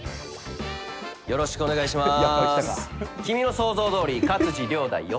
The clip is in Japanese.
よろしくお願いします。